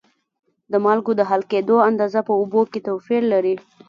د مالګو د حل کیدلو اندازه په اوبو کې توپیر لري.